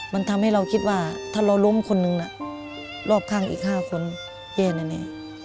มันทำให้เราคิดว่าถ้าเราล้มคนหนึ่งรอบข้างอีก๕คนแย่แน่